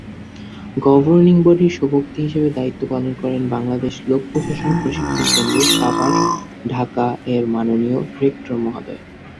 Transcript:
Governing বডির সভাপতি হিসেবে দায়িত্ব পালন করেন বাংলাদেশ লোক-প্রশাসন প্রশিক্ষণ কেন্দ্র, সাভার, ঢাকা-এর মাননীয় রেক্টর মহোদয়।